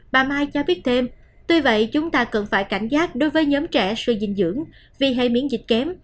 bà mai cho biết thêm tuy vậy chúng ta cần phải cảnh giác đối với nhóm trẻ suy dinh dưỡng vì hay miễn dịch kém